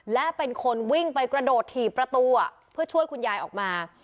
และเป็นคนวิ่งไปกระโดดถี่ประตูเพื่อช่วยคุณยายออกมา